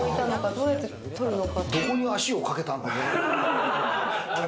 どうやって取るのか。